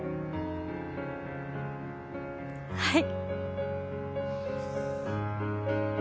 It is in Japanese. はい。